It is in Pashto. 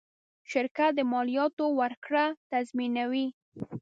شرکت د مالیاتو ورکړه تضمینوي.